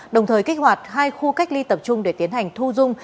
đồng thời kích hoạt hai khu cách ly tập trung để tiến hành thu dung